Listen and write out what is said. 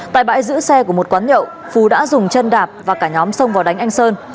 tại bãi giữ xe của một quán nhậu phú đã dùng chân đạp và cả nhóm xông vào đánh anh sơn